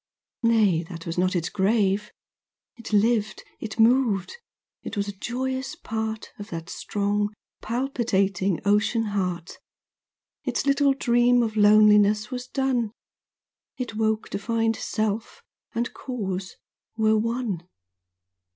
Nay, that was not its grave! It lived, it moved, it was a joyous part Of that strong palpitating ocean heart; Its little dream of loneliness was done; It woke to find, Self, and Cause, were one.